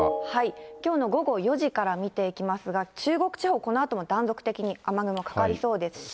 きょうの午後４時から見ていきますが、中国地方、このあとも断続的に雨雲かかりそうですし。